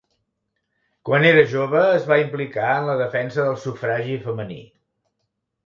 Quan era jove, es va implicar en la defensa del sufragi femení.